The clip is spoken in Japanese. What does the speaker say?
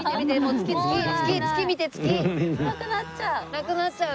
なくなっちゃう。